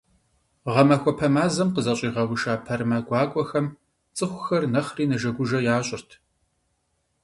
Гъэмахуэпэ мазэм къызэщӀигъэуша пэрымэ гуакӀуэхэм цӀыхухэр нэхъри нэжэгужэ ящӀырт.